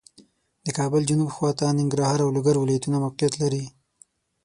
د کابل جنوب خواته ننګرهار او لوګر ولایتونه موقعیت لري